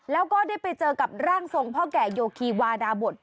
แล้วก็ได้ไปเจอกับร่างทรงพ่อแก่โยคีวาดาบท